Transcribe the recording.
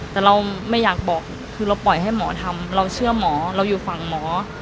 แต่เราไม่อยากบอกคือเราปล่อยให้หมอทำเราเชื่อหมอเราอยู่ฝั่งหมอ